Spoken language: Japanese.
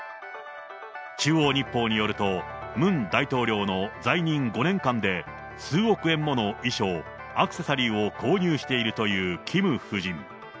中央日報によると、ムン大統領の在任５年間で、数億円もの衣装、アクセサリーを購入しているというキム夫人。